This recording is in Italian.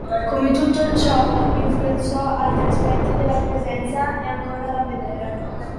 Come tutto ciò influenzò altri aspetti della Presenza è ancora da vedere.